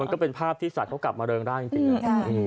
ก็เป็นภาพที่สัตว์เขากลับมาเริงได้จริง